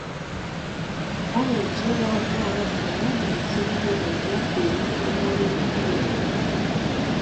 Wabula ekiro waaliwo ababbi abaamenya essomero lino ne babba ebintu omwali ne kkamera enkessi.